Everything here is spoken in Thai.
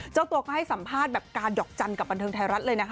เจ้าตัวก็ให้สัมภาษณ์แบบการดอกจันทร์กับบันเทิงไทยรัฐเลยนะคะ